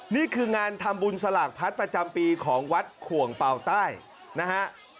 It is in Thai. นี่คืองานทำบุญสลากพัดประจำปีของวัดขวงเป่าใต้นะฮะ